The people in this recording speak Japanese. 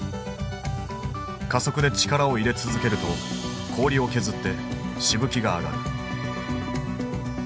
加速で力を入れ続けると氷を削ってしぶきが上がる。